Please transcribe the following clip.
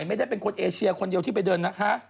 ไม่ได้เป็นคนเอเชียคนเดียวที่ไปเดินนะคะ